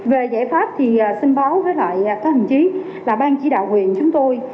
về giải pháp thì xin báo với lại các hình chí là ban chỉ đạo quyền chúng tôi